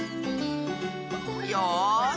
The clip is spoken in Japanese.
よし。